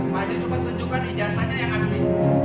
maju coba tunjukkan ijasanya yang asli